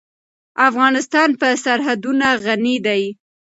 افغانستان په سرحدونه غني دی.